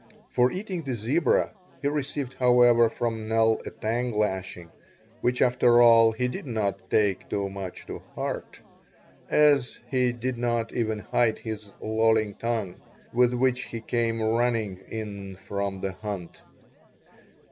For eating the zebra he received, however, from Nell a tongue lashing which after all he did not take too much to heart as he did not even hide his lolling tongue, with which he came running in from the hunt.